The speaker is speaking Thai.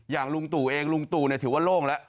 อย่างลุงตู่เองลุงตู่เนี่ยถือว่าโล่งแล้ว